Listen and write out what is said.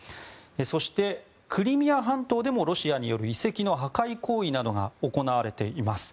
そして、クリミア半島でもロシアによる遺跡の破壊行為などが行われています。